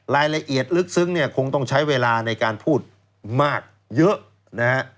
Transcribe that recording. รายละเอียดลึกซึ้งเนี่ยคงต้องใช้เวลาในการพูดมากเยอะนะฮะ